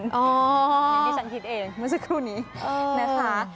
อ๋อนี่ฉันคิดเองมันคือครูนี้นะคะ